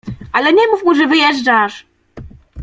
— Ale nie mów mu, że wyjeżdżasz!